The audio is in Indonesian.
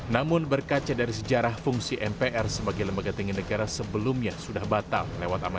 namun berkaca dari sejarah fungsi mpr sebagai lembaga tinggi negara sebelumnya sudah batal lewat aman